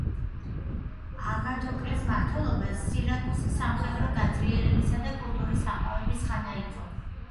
აგათოკლეს მმართველობა სირაკუსის სამხედრო გაძლიერებისა და კულტურის აყვავების ხანა იყო.